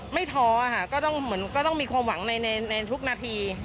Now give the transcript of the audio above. ท้อค่ะก็ต้องเหมือนก็ต้องมีความหวังในทุกนาที